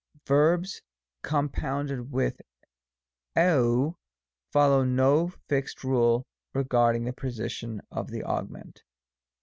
Verbs compounded with tv follow no fixed rule regarding the position of the augment.